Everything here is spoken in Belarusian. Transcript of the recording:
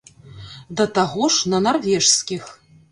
Да таго ж, на нарвежскіх!